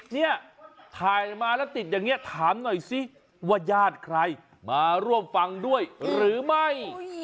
เนี่ยถ่ายมาแล้วติดอย่างนี้ถามหน่อยสิว่าญาติใครมาร่วมฟังด้วยหรือไม่